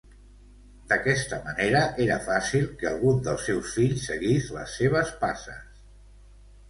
D'aquesta manera, era fàcil que algun dels seus fills seguís les seves passes.